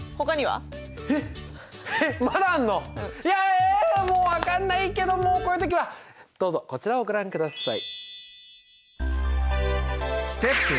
えもう分かんないけどもうこういう時はどうぞこちらをご覧ください。